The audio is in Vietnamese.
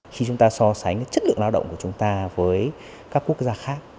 khi chúng ta so sánh chất lượng lao động của chúng ta với các quốc gia khác